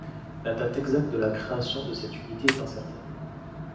La date exacte de la création de cette unité est incertaine.